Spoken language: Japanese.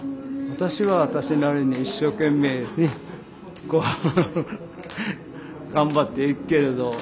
私は私なりに一生懸命ね頑張っていくけれど。